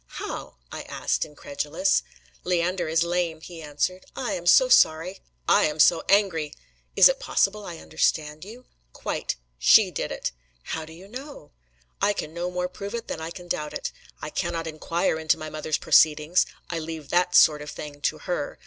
"How?" I asked incredulous. "Leander is lame," he answered. "I am so sorry!" "I am so angry!" "Is it possible I understand you?" "Quite. She did it." "How do you know?" "I can no more prove it than I can doubt it. I cannot inquire into my mother's proceedings. I leave that sort of thing to her.